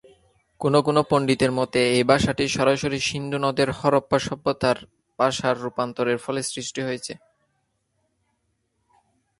কোনো কোনো পণ্ডিতের মতে এই ভাষাটি সরাসরি সিন্ধু নদের হরপ্পা সভ্যতার ভাষার রূপান্তরের ফলে সৃষ্ট হয়েছে।